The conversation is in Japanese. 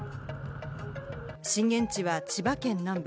震源地は千葉県南部。